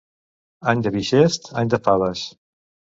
Any de bixest, any de faves.